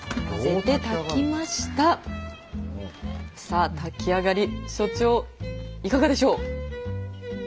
さあ炊きあがり所長いかがでしょう？